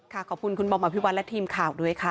ขอบคุณคุณบอมอภิวัตและทีมข่าวด้วยค่ะ